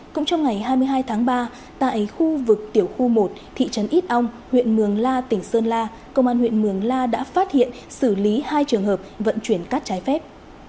cũng trong ngày hai mươi hai tháng ba tại khu vực tiểu khu một thị trấn ít ong huyện mường la tỉnh sơn la công an huyện mường la đã phát hiện xử lý hai trường hợp vận chuyển cát trái phép